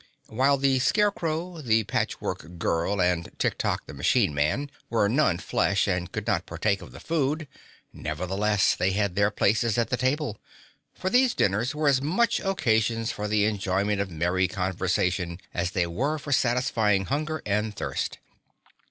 While the Scarecrow, the Patchwork Girl and Tik Tok the Machine Man were non flesh and could not partake of the food, nevertheless they had their places at the table. For these dinners were as much occasions for the enjoyment of merry conversation, as they were for satisfying hunger and thirst.